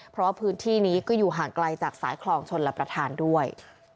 เพราะว่าพื้นที่นี้ก็อยู่ห่างไกลจากสายคลองชนรับประทานด้วย